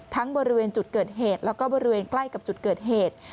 บริเวณจุดเกิดเหตุแล้วก็บริเวณใกล้กับจุดเกิดเหตุ